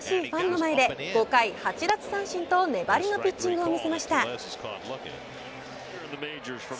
千賀は礼儀正しいファンの前で５回８奪三振と粘りのピッチングを見せました。